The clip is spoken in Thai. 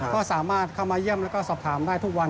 ก็สามารถเข้ามาเยี่ยมแล้วก็สอบถามได้ทุกวัน